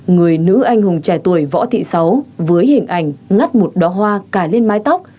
người nữ anh hùng trẻ tuổi võ thị sáu với hình ảnh ngắt một đo hoa cải lên mái tóc